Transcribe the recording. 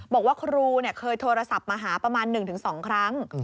บอกว่าครูเคยโทรศัพท์มาหาประมาณ๑๒ครั้ง